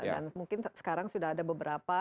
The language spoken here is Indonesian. dan mungkin sekarang sudah ada beberapa